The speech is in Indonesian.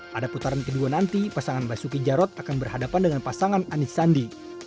pada putaran kedua nanti pasangan basuki jarot akan berhadapan dengan pasangan anies sandi